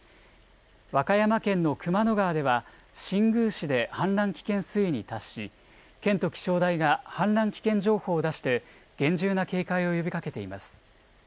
和歌山県の熊野川では新宮市で氾濫危険水位に達し、県と気象台が氾濫危険情報を出して、厳重な警戒を呼びかけています。